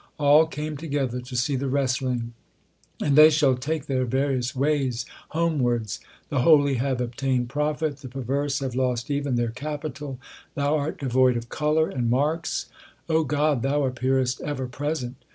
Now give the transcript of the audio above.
All came together to see the wrestling, And they shall take their various ways homewards. The holy have obtained profit ; the perverse have lost even their capital. Thou art devoid of colour and marks ; O God, Thou appearest ever present.